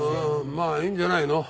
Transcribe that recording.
まあいいんじゃないの。